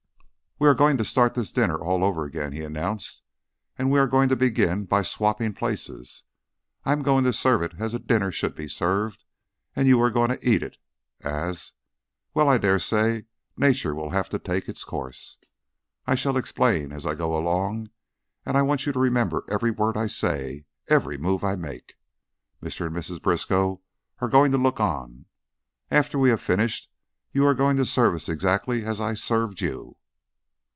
"We are going to start this dinner all over again," he announced, "and we are going to begin by swapping places. I am going to serve it as a dinner should be served, and you are going to eat it as Well, I dare say nature will have to take its course. I shall explain, as I go along, and I want you to remember every word I say, every move I make. Mr. and Mrs. Briskow are going to look on. After we have finished you are going to serve us exactly as I served you."